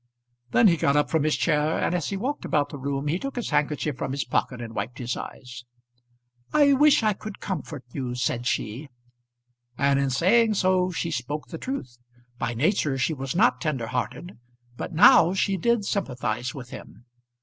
Then he got up from his chair, and as he walked about the room he took his handkerchief from his pocket and wiped his eyes. "I wish I could comfort you," said she. And in saying so she spoke the truth. By nature she was not tender hearted, but now she did sympathise with him.